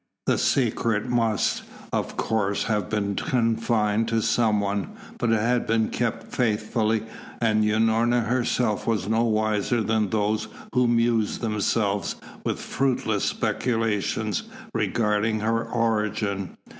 The secret must, of course, have been confided to some one, but it had been kept faithfully, and Unorna herself was no wiser than those who mused themselves with fruitless speculations regarding her origin.